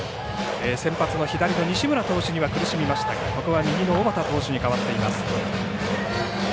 先発の左の西村投手には苦しみましたがここは右の小畠投手に代わっています。